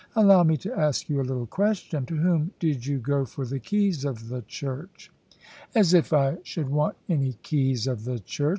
Allow me to ask you a little question: to whom did you go for the keys of the church?" "As if I should want any keys of the church!